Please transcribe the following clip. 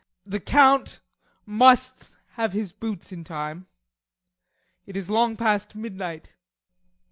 The Count must have his boots in time, and it is long past midnight.